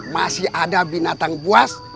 masih ada binatang buas